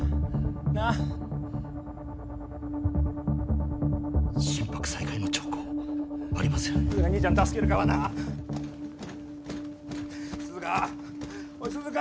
なあ心拍再開の兆候ありません涼香兄ちゃん助けるからな涼香おい涼香！